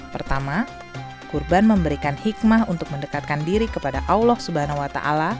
pertama kurban memberikan hikmah untuk mendekatkan diri kepada allah swt